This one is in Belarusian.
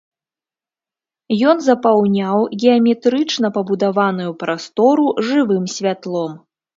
Ён запаўняў геаметрычна пабудаваную прастору жывым святлом.